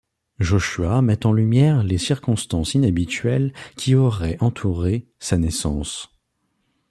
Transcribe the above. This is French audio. Joshua met en lumière les circonstances inhabituelles qui auraient entouré sa naissance.